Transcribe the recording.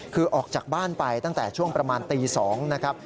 คือออกจากบ้านไปตั้งแต่ช่วงประมาณตี๒นะครับ